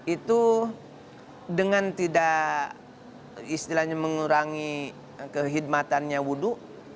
itu dengan tidak istilahnya mengurangi kehidmatannya wudhu